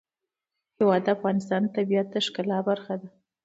هوا د افغانستان د طبیعت د ښکلا برخه ده.